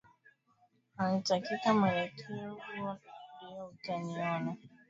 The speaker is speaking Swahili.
na nitakika mwelekeo huo ndio utunaiona cote dvoire